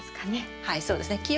はいそうですね。